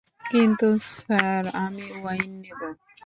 কিন্তু স্যার, আমি ওয়াইন নেবো।